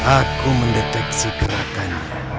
aku mendeteksi kerakannya